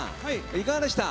いかがでした？